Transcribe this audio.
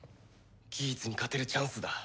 ギーツに勝てるチャンスだ。